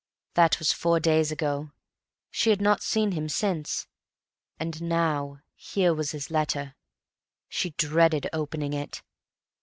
That was four days ago. She had not seen him since, and now here was this letter. She dreaded opening it.